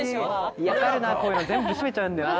いやわかるなこういうの全部調べちゃうんだよな。